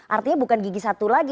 artinya bukan gigi satu lagi